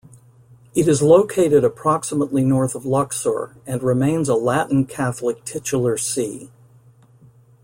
It is located approximately north of Luxor and remains a Latin Catholic titular see.